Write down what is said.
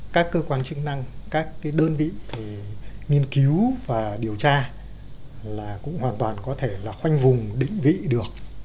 các cơ quan chức năng các đơn vị thì nghiên cứu và điều tra là cũng hoàn toàn có thể là khoanh vùng định vị được